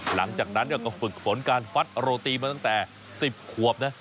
หลังจากนั้นก็ฝึกฝนการฟัดโรตีมาตั้งแต่๑๐ขวบนะ